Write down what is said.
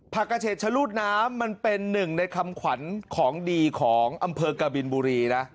กระเฉดชะลูดน้ำมันเป็นหนึ่งในคำขวัญของดีของอำเภอกบินบุรีนะ